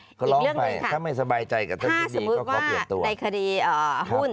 อีกเรื่องนี่ค่ะถ้าสมมติว่าในคดีหุ้น